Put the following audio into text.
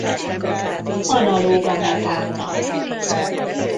Analóg a metánnal.